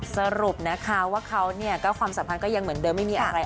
สรุปนะคะว่าเขาก็ความสัมพันธ์ก็ยังเหมือนเดิมไม่มีอะไร